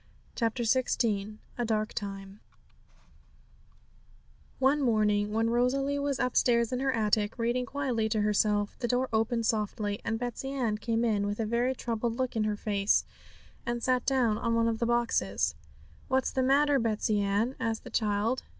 CHAPTER XVI A DARK TIME One morning, when Rosalie was upstairs in her attic reading quietly to herself, the door opened softly, and Betsey Ann came in with a very troubled look in her face, and sat down on one of the boxes. 'What's the matter, Betsey Ann?' asked the child.